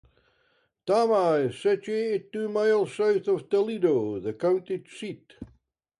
Tama is situated two miles south of Toledo, the county seat.